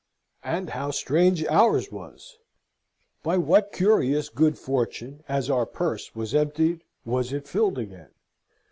And how strange ours was! By what curious good fortune, as our purse was emptied, was it filled again!